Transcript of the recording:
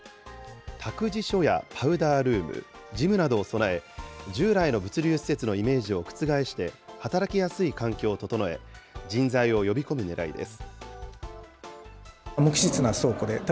託児所やパウダールーム、ジムなどを備え、従来の物流施設のイメージを覆して働きやすい環境を整え、人材を呼び込むねらいです。